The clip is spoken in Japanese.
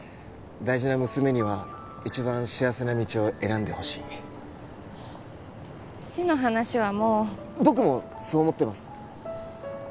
大事な娘には一番幸せな道を選んでほしい父の話はもう僕もそう思ってます